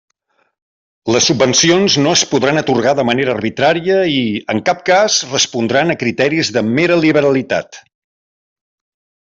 Les subvencions no es poden atorgar de manera arbitrària i, en cap cas, respondran a criteris de mera liberalitat.